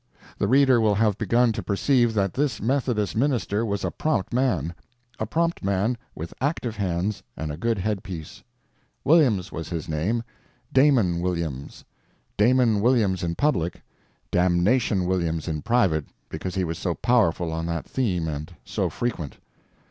The reader will have begun to perceive that this Methodist minister was a prompt man; a prompt man, with active hands and a good headpiece. Williams was his name—Damon Williams; Damon Williams in public, Damnation Williams in private, because he was so powerful on that theme and so frequent.